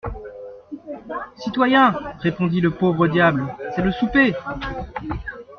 Citoyen, répondit le pauvre diable, c'est le souper.